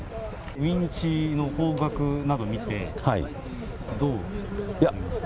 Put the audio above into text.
ウインチの方角など見て、どう思いますか？